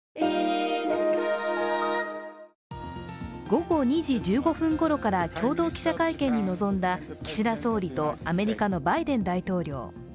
午後２時１５分ごろから共同記者会見に臨んだ岸田総理とアメリカのバイデン大統領。